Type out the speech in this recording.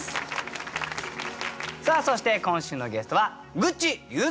さあそして今週のゲストはグッチ裕三さんです。